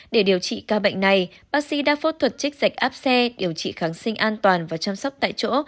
để điều trị ca bệnh này bác sĩ đã phẫu thuật trích dạch áp xe điều trị kháng sinh an toàn và chăm sóc tại chỗ